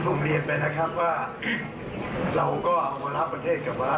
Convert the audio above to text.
พี่จะค่อยไปแต่ว่า